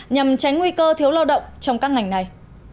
nhằm tránh nguy cơ thiếu lao động trong các ngành này